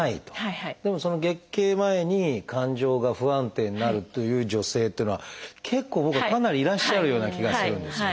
でも月経前に感情が不安定になるという女性っていうのは結構僕はかなりいらっしゃるような気がするんですよね。